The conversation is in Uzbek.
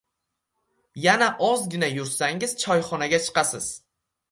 Yana ozgina yursangiz choyxonaga chiqasiz.